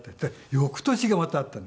翌年がまたあったんです。